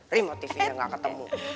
remote tv yang gak ketemu